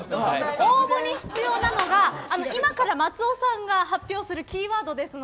応募に必要なのが今から松尾さんが発表するキーワードです。